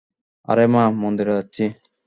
আরে মা, মন্দিরে যাচ্ছি।